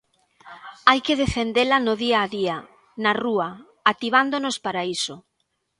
Hai que defendela no día a día, na rúa, activándonos para iso.